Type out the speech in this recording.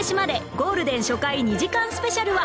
ゴールデン初回２時間スペシャルは